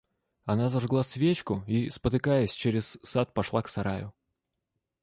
Она зажгла свечку и, спотыкаясь, через сад пошла к сараю.